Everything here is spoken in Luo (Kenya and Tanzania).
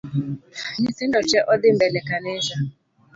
Nyithindo tee odhii mbele kanisa